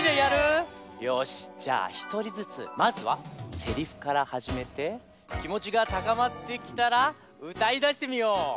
よしじゃあひとりずつまずはせりふからはじめてきもちがたかまってきたらうたいだしてみよう！